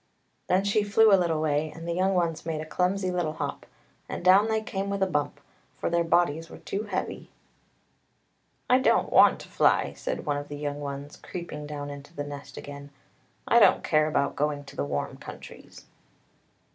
Then she flew a little way, and the young ones made a clumsy little hop, and down they came with a bump, for their bodies were too heavy. " I don't want to fly," said one of the young ones, creeping down into the nest again. " I don't care about going to the warm countries."